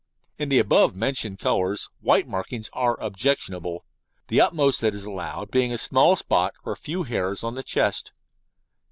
In the above mentioned colours white markings are objectionable. The utmost that is allowed being a small spot, or a few hairs, on the chest.